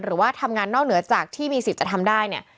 หรือว่าทำงานนอกเหนือจากที่มีสิทธิ์จะทำได้เนี่ย